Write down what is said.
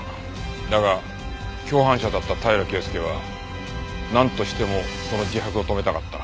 だが共犯者だった平良圭介はなんとしてもその自白を止めたかった。